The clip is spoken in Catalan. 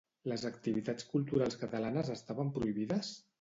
Les activitats culturals catalanes estaven prohibides?